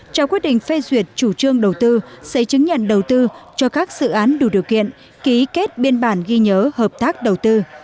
trao quyết định phê duyệt chủ trương đầu tư giấy chứng nhận đầu tư cho các dự án đủ điều kiện ký kết biên bản ghi nhớ hợp tác đầu tư